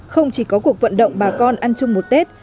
không chỉ có cuộc vận động bà con ăn chung một tết